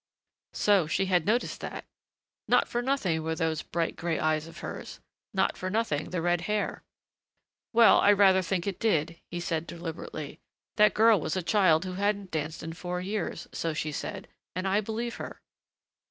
So she had noticed that!... Not for nothing were those bright, gray eyes of hers! Not for nothing the red hair. "Well, I rather think it did," he said deliberately. "That girl was a child who hadn't danced in four years so she said, and I believe her."